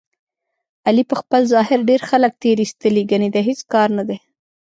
علي په خپل ظاهر ډېر خلک تېر ایستلي، ګني د هېڅ کار نه دی.